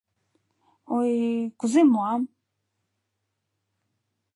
Ой, кузе муам?